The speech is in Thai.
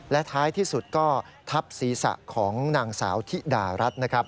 และท้ายที่สุดก็ทับศีรษะของนางสาวธิดารัฐนะครับ